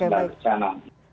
ya sudah dicana